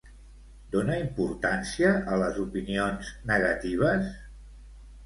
Dona importància a les opinions negatives?